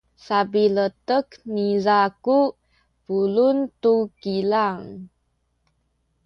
sapiletek niza ku pulung tu kilang.